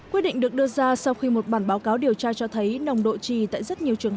quyết định được đưa ra sau khi một bản báo cáo điều tra cho thấy nồng độ trì tại rất nhiều trường